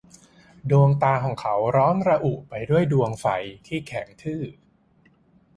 ดวงตาของเขาร้อนระอุไปด้วยดวงไฟที่แข็งทื่อ